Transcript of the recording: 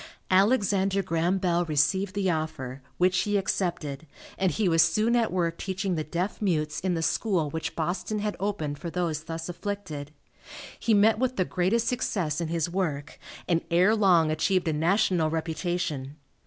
Alexander Graham Bell received the offer, which he accepted, and he was soon at work teaching the deaf mutes in the school which Boston had opened for those thus afflicted. He met with the greatest success in his work, and ere long achieved a national reputation.